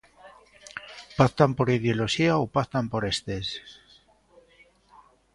¿Pactan por ideoloxía ou pactan por estes?